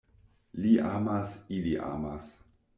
Ni amas, ili amas!